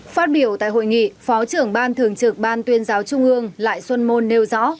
phát biểu tại hội nghị phó trưởng ban thường trực ban tuyên giáo trung ương lại xuân môn nêu rõ